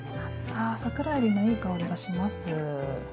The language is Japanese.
あ桜えびのいい香りがします。